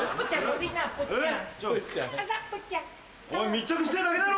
密着してぇだけだろ！